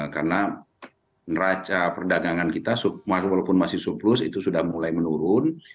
karena neraca perdagangan kita walaupun masih surplus itu sudah mulai menurun